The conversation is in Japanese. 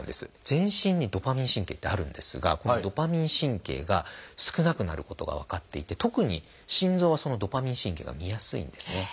全身にドパミン神経ってあるんですがこのドパミン神経が少なくなることが分かっていて特に心臓はそのドパミン神経がみやすいんですね。